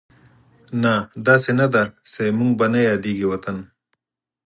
نه، داسې نه ده چې زموږ به نه یادېږي وطن